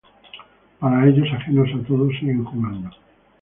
Pero ellos, ajenos a todo, siguen jugando.